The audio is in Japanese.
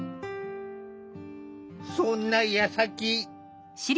そんなやさき。